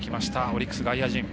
オリックス外野陣。